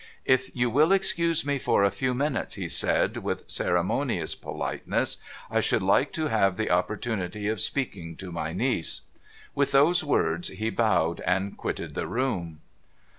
' If you will excuse me for a few minutes,' he said, with ceremonious politeness, ' I should like to have the opportunity of speaking to my niece.' With those words, he bowed, and quitted the room.